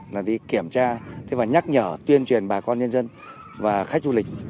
là đi kiểm tra thế và nhắc nhở tuyên truyền bà con nhân dân và khách du lịch